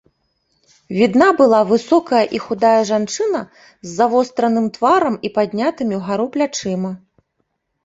Відна была высокая і худая жанчына з завостраным тварам і паднятымі ўгару плячыма.